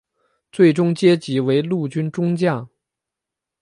最终阶级为陆军中将。